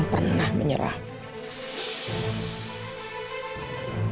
sama orang yang muncul di lini